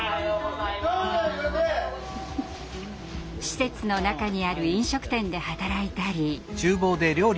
施設の中にある飲食店で働いたり。